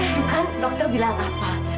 itu kan dokter bilang apa